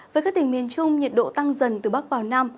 với các tỉnh miền trung nhiệt độ tăng dần từ bắc vào nam